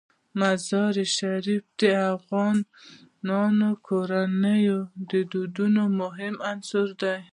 مزارشریف د افغان کورنیو د دودونو مهم عنصر دی.